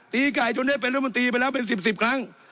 ตีไก่จนได้เป็นร่วมตีไปแล้วเป็นสิบสิบครั้ง